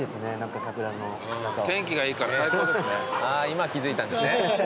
今気付いたんですね。